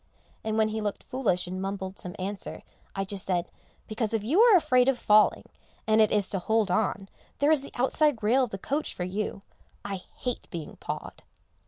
and when he looked foolish and mumbled some answer, I just said, "Because if you are afraid of falling, and it is to hold on, there is the outside rail of the coach for you; I hate being pawed."